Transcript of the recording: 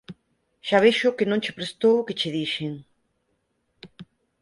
Xa vexo que non che prestou o que che dixen.